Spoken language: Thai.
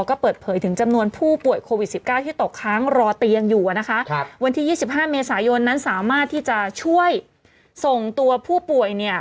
ก็เปิดเผยถึงจำนวนผู้ป่วยโควิด๑๙ที่ตกค้างรอเตียงอยู่นะคะวันที่๒๕เมษายนนั้นสามารถที่จะช่วยส่งตัวผู้ป่วยเนี่ย